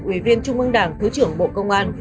ủy viên trung ương đảng thứ trưởng bộ công an